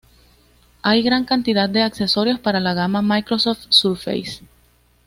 Hay gran cantidad de accesorios para la gama Microsoft Surface.